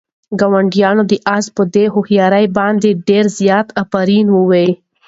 ګاونډیانو د آس په دې هوښیارۍ باندې ډېر زیات آفرین ووایه.